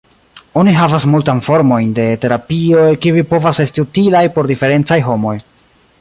Oni havas multan formojn de terapioj, kiuj povas esti utilaj por diferencaj homoj.